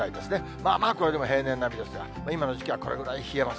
まあまあこれでも平年並みですが、今の時期はこれぐらい冷えます。